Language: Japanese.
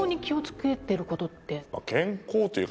健康というか。